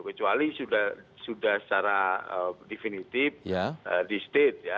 kecuali sudah secara definitif di state ya